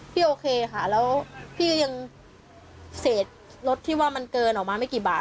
โอเคค่ะแล้วพี่ก็ยังเศษรถที่ว่ามันเกินออกมาไม่กี่บาท